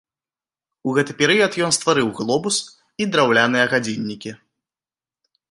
У гэты перыяд ён стварыў глобус і драўляныя гадзіннікі.